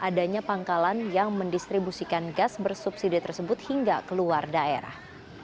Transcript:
adanya pangkalan yang mendistribusikan gas bersubsidi tersebut hingga keluar daerah